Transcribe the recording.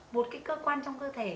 một cái cơ quan trong cơ thể